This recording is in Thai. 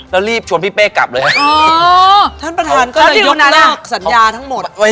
แล้วรีบชวนพี่เป้กลับเลยฮะเขาอยู่นั้นฮะสัญญาทั้งหมด